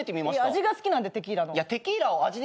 味が好きなんでテキーラの。